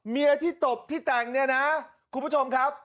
เมียที่ตบที่แต่งเนี่ยนะคุณผู้ชมครับ